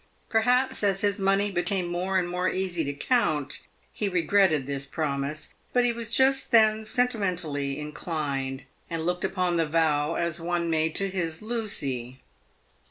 Perhaps as his money became more and more easy to count, he re gretted this promise. But he was just then sentimentally inclined, and looked upon the vow as one made to his Lucy.